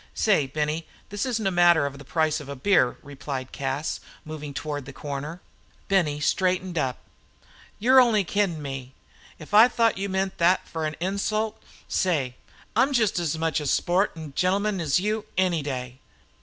"Say, Benny, this isn't a matter of the price of a beer," replied Cas, moving toward the corner. Benny straightened up. "You're only kiddin' me if I thought you meant that for an insult say! I'm just as much a sport an' gennelman as you, any day."